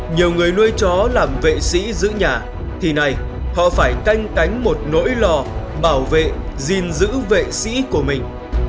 nhiều người nuôi chó làm vệ sĩ giữ nhà thì này họ phải canh cánh một nỗi lò bảo vệ gìn giữ vệ sĩ của mình